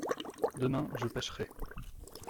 Demain je pêcherai.